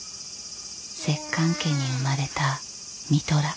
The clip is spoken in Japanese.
摂関家に生まれた三寅。